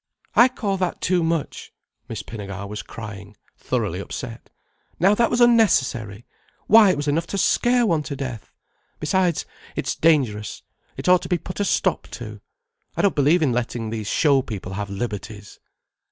"I call that too much!" Miss Pinnegar was crying, thoroughly upset. "Now that was unnecessary! Why it was enough to scare one to death. Besides, it's dangerous. It ought to be put a stop to. I don't believe in letting these show people have liberties."